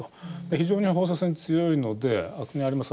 非常に放射線強いのであそこにあります